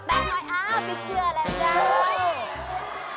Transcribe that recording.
ตั้งไว้อ้าวมีเชื้อแล้วเจ๊